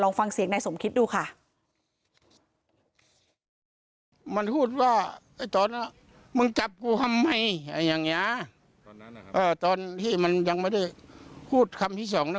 ฟังเสียงนายสมคิดดูค่ะ